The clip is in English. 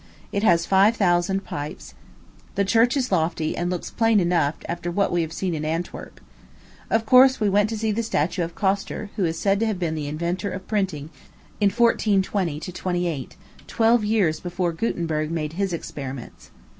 It has five thousand pipes. The church is lofty, and looks plain enough after what we have seen in Antwerp. Of course, we went to see the statue of Coster, who is said to have been the inventor of printing in 1420 28, twelve years before Guttemberg made his experiments.